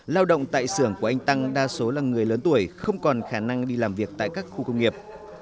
lao động tại xưởng của anh tăng đa số là người lớn tuổi không còn khả năng đi làm việc tại các khu công nghiệp